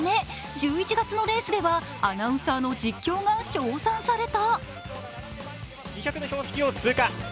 １１月のレースではアナウンサーの実況が称賛された。